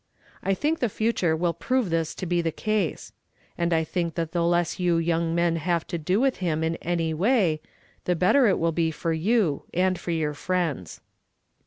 T tliink tlie future will prove this to be the case ; and I think thiit the less you young men have to do with him in any way, the better it will be for you and for your friends."